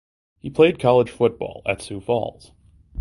He played college football at Sioux Falls.